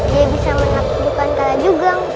dia bisa menakjubkan kalajugang